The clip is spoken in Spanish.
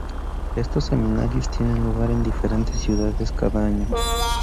Estos seminarios tienen lugar en diferentes ciudades cada año.